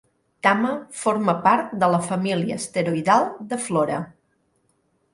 Tama forma part de la família asteroidal de Flora.